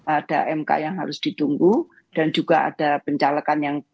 ada mk yang harus ditunggu dan juga ada pencalekan yang